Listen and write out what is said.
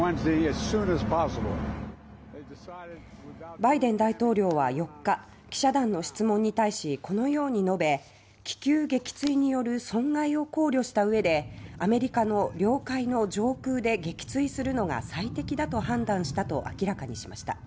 バイデン大統領は４日記者団の質問に対しこのように述べ気球撃墜による損害を考慮したうえでアメリカの領海の上空で撃墜するのが最適だと判断したと明らかにしました。